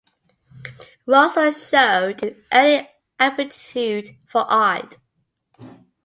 Russell showed an early aptitude for art.